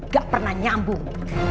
gak pernah nyambung